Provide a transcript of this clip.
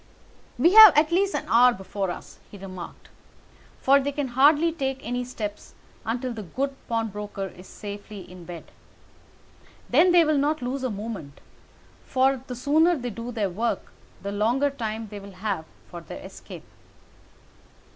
"We have at least an hour before us," he remarked, "for they can hardly take any steps until the good pawnbroker is safely in bed. Then they will not lose a minute, for the sooner they do their work the longer time they will have for their escape.